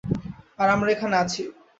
আর আমরা এখানে আছি।